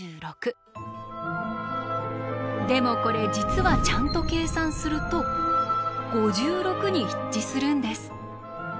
でもこれ実はちゃんと計算すると５６に一致するんです。